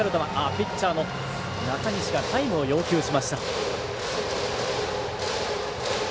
ピッチャーの中西がタイムを要求しました。